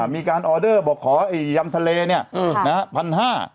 มีการออเดอร์บอกขอยำทะเลเนี่ยนะฮะ